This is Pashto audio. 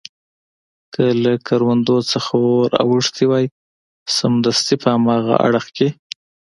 که له کروندو څخه ور اوښتي وای، سمدستي په هاغه اړخ کې.